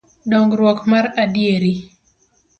Dongruok mar adieri